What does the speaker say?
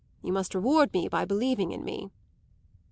You must reward me by believing in me."